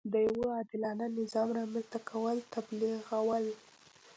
د یوه عادلانه نظام رامنځته کول تبلیغول.